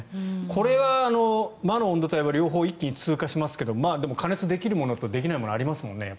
これは魔の温度帯は両方一気に通過しますがでも加熱できるものとできないものありますもんね。